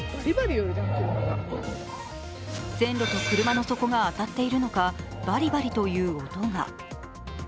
線路と車の底が当たっているのか、バリバリという音が。